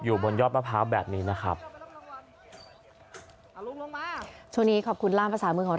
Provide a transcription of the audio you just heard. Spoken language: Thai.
อยู่บนยอดประพาแบบนี้นะครับ